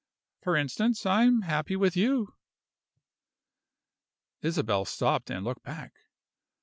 For instance, I am happy with you." Isabel stopped and looked back.